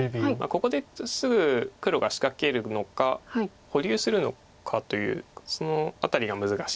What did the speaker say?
ここですぐ黒が仕掛けるのか保留するのかというその辺りが難しいです。